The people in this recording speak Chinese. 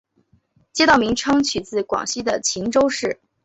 街道名称取自广西的钦州市。